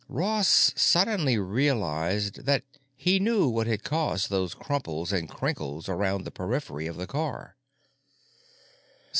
Ross suddenly realized that he knew what had caused those crumples and crinkles around the periphery of the car.